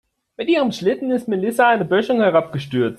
Mit ihrem Schlitten ist Melissa eine Böschung herabgestürzt.